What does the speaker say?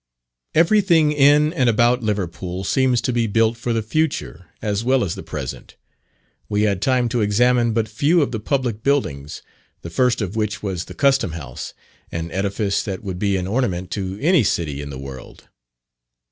Every thing in and about Liverpool seems to be built for the future as well as the present. We had time to examine but few of the public buildings, the first of which was the Custom House, an edifice that would be an ornament to any city in the world.